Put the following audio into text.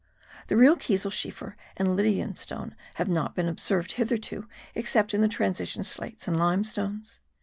The real kieselschiefer and Lydian stone have not been observed hitherto except in the transition slates and limestones.